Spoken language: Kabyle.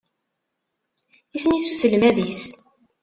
Isem-is uselmad-is?